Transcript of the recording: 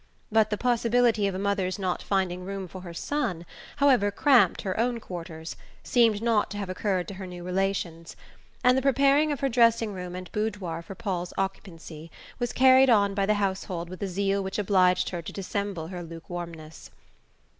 But the possibility of a mother's not finding room for her son, however cramped her own quarters, seemed not to have occurred to her new relations, and the preparing of her dressing room and boudoir for Paul's occupancy was carried on by the household with a zeal which obliged her to dissemble her lukewarmness.